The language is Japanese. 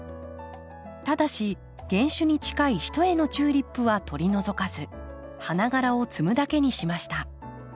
ただし原種に近い一重のチューリップは取り除かず花がらを摘むだけにしました。